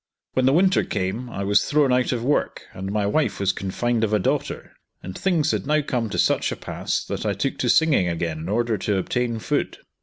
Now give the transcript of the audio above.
When the winter came, I was thrown out of work, and my wife was confined of a daughter, and things had now come to such a pass, that I took to singing again in order to obtain food.